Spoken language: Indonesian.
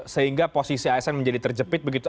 sehingga posisi asn menjadi terjepit begitu